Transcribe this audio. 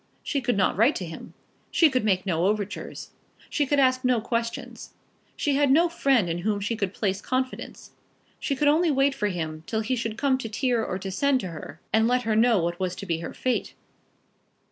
She could not write to him. She could make no overtures. She could ask no questions. She had no friend in whom she could place confidence. She could only wait for him, till he should come to her or send to her, and let her know what was to be her fate.